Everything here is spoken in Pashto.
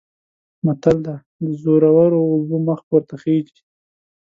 متل دی: د زورو اوبه مخ پورته خیژي.